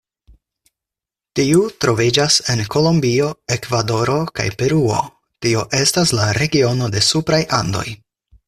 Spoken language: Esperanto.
Tiu troviĝas en Kolombio, Ekvadoro kaj Peruo, tio estas la regiono de supraj Andoj.